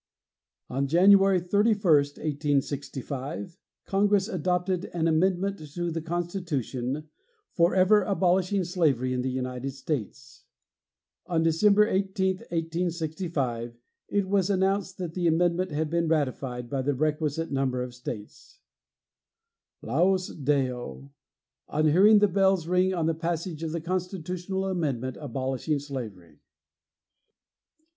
On January 31, 1865, Congress adopted an amendment to the constitution forever abolishing slavery in the United States. On December 18, 1865, it was announced that the amendment had been ratified by the requisite number of states. LAUS DEO! On hearing the bells ring on the passage of the constitutional amendment abolishing slavery.